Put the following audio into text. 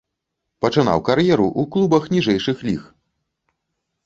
Пачынаў кар'еру ў клубах ніжэйшых ліг.